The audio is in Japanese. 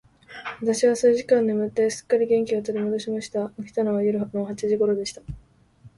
私は数時間眠って、すっかり元気を取り戻しました。起きたのは夜の八時頃でした。